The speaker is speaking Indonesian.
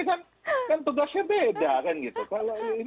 ya kan kan tugasnya beda kan gitu